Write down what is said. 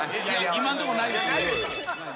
今んとこないです。